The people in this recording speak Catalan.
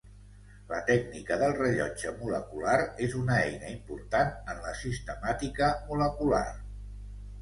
La tècnica del rellotge molecular és una eina important en la sistemàtica molecular.